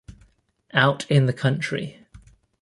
Out in the country.